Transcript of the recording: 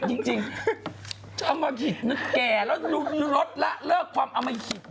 เนี่ยจริงอมหิตนะแกรถละเลิกความอมหิต